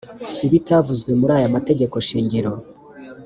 Ibitavuzwe muri aya amategeko shingiro